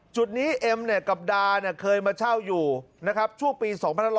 จุดนี้เอ็มกับดาเคยมาเช่าอยู่นะครับช่วงปี๒๕๖๐